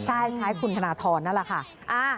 ใช่ใช้คุณธนทรนั่นแหละค่ะ